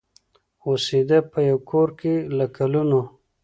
اوسېده په یوه کورکي له کلونو